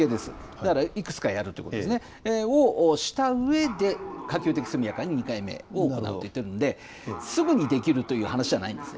だからいくつかやるってことですね、をしたうえで、可及的速やかに２回目を行うって言っているんで、すぐにできるという話じゃないんです。